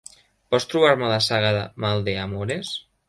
Pots trobar-me la saga de Maldeamores?